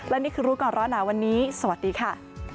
และนี่คือรู้ก่อนร้อนหนาวันนี้สวัสดีค่ะ